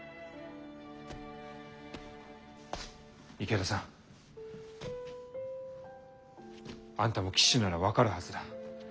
池田さんあんたも騎手なら分かるはずだ。